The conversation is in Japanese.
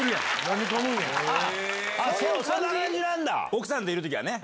奥さんといる時はね。